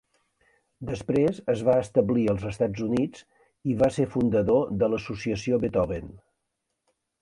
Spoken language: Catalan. Després es va establir als Estats Units i va ser fundador de l'Associació Beethoven.